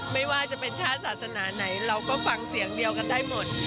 ไม่ว่าจะเป็นชาติศาสนาไหนเราก็ฟังเสียงเดียวกันได้หมด